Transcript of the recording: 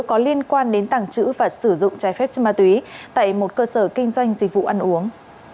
có liên quan đến tàng trữ và sử dụng trái phép chất ma túy tại một cơ sở kinh doanh dịch vụ ăn uống